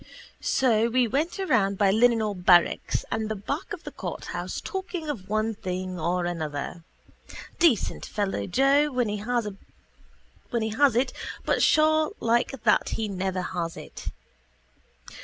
So we went around by the Linenhall barracks and the back of the courthouse talking of one thing or another. Decent fellow Joe when he has it but sure like that he never has it.